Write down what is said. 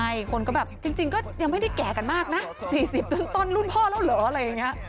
ใช่คนก็แบบจริงก็ยังไม่ได้แก่กันมากนะ๔๐ต้นรุ่นพ่อแล้วเหรออะไรอย่างนี้